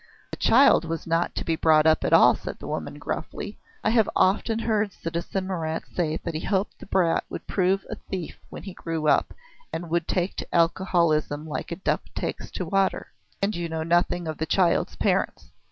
"The child was not to be brought up at all," the woman said gruffly. "I have often heard citizen Marat say that he hoped the brat would prove a thief when he grew up, and would take to alcoholism like a duck takes to water." "And you know nothing of the child's parents?"